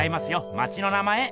町の名前！